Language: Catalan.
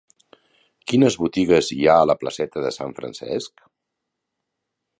Quines botigues hi ha a la placeta de Sant Francesc?